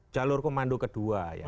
jalur komando kedua